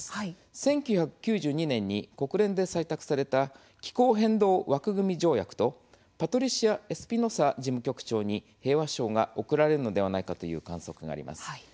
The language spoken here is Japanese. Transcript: １９９２年に国連で採択された気候変動枠組条約とパトリシア・エスピノサ事務局長に平和賞が贈られるのではないかという観測があります。